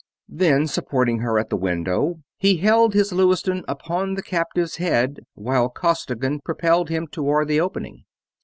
Then, supporting her at the window, he held his Lewiston upon the captive's head while Costigan propelled him toward the opening.